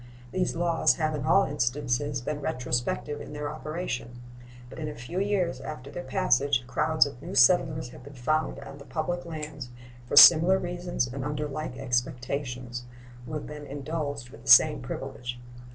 These laws have in all instances been retrospective in their operation, but in a few years after their passage crowds of new settlers have been found on the public lands for similar reasons and under like expectations, who have been indulged with the same privilege.